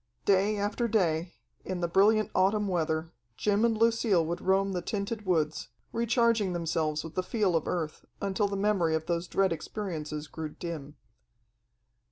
Day after day, in the brilliant autumn weather, Jim and Lucille would roam the tinted woods, recharging themselves with the feel of Earth, until the memory of those dread experiences grew dim.